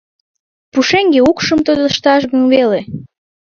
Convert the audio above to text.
Пушеҥге укшым тодышташ гын веле?